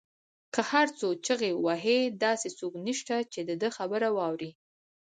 که هر څو چیغې وهي داسې څوک نشته، چې د ده خبره واوري